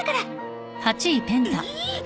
えっ！？